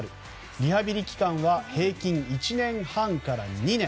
リハビリ期間は平均で１年半から２年。